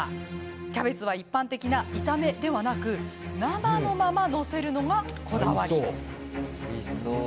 キャベツは一般的な炒めではなく生のまま載せるのがこだわり。